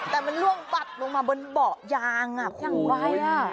แต่มันล่วงปัดลงมาบนเบาะยางอ่ะควรยังไหวอ่ะ